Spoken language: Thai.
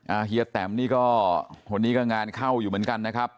เฮียแตมนี่ก็คนนี้ก็งานเข้าอยู่เหมือนกันนะครับ